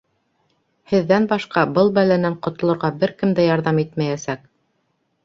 Һеҙҙән башҡа был бәләнән ҡотолорға бер кем дә ярҙам итмәйәсәк.